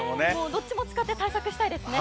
どっちも使って対策したいですね。